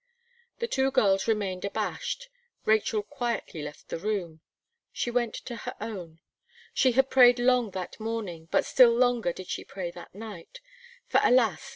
The two girls remained abashed. Rachel quietly left the room. She went to her own. She had prayed long that morning, but still longer did she pray that night. For alas!